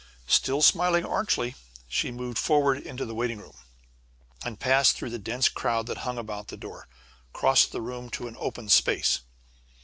Still smiling archly she moved forward into the waiting room and, passing through the dense crowd that hung about the door, crossed the room to an open space.